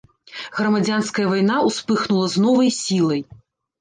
Грамадзянская вайна ўспыхнула з новай сілай.